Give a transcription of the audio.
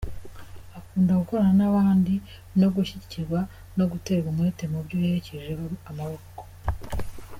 Akunda gukorana n’abandi no gushyigikirwa no guterwa umwete mu byo yerekejeho amaboko.